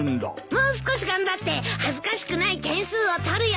もう少し頑張って恥ずかしくない点数を取るよ。